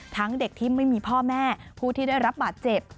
เด็กที่ไม่มีพ่อแม่ผู้ที่ได้รับบาดเจ็บ